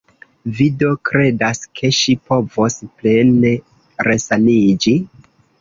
Vi do kredas, ke ŝi povos plene resaniĝi?